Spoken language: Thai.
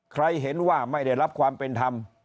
เห็นว่าไม่ได้รับความเป็นธรรม